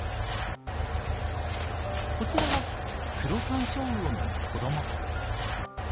こちらはクロサンショウウオの子ども。